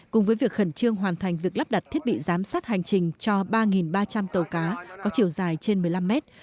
cùng với việc khẩn trương hoàn thành việc lắp đặt thiết bị giám sát hành trình cho ba ba trăm linh tàu cá có chiều dài trên một mươi năm mét